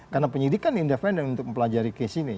karena penyidik kan independent untuk mempelajari kes ini